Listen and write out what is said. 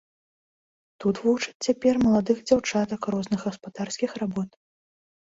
Тут вучаць цяпер маладых дзяўчатак розных гаспадарскіх работ.